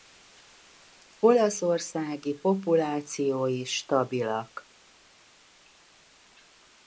Olaszországi populációi stabilak.